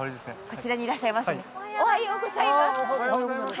こちらにいらっしゃいますね。